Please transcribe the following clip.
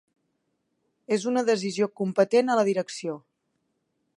És una decisió competent a la direcció.